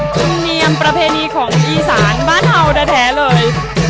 กลุ่มเนียมประเพณีของอีสานบ้านเผ่าแต่แท้เลย